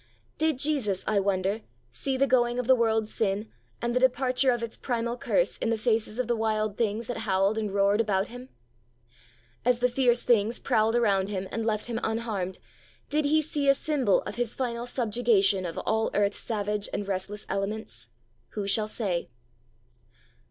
Did Jesus, I wonder, see the going of the world's sin and the departure of its primal curse in the faces of the wild things that howled and roared around Him? As the fierce things prowled around Him and left Him unharmed, did He see a symbol of His final subjugation of all earth's savage and restless elements? Who shall say?